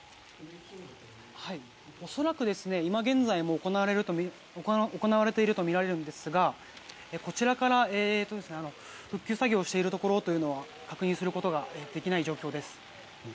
恐らく、今現在も行われているとみられるんですがこちらから復旧作業をしているところは確認することができない状況です。